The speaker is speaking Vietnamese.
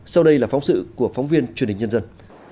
sau đây là phóng sự của phóng viên truyền hình nhân dân